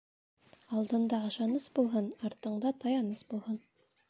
Алдында ышаныс булһын, артыңда таяныс булһын.